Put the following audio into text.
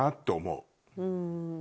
うん。